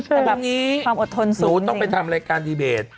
แต่แบบความอดทนสูงตรงนี้หนูต้องไปทำรายการดีเบต